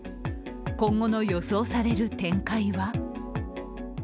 今後の予想される展開は？